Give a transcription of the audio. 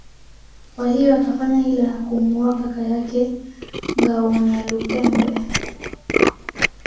Kwa hiyo akafanya hila na kumuua kaka yake Ngawonalupembe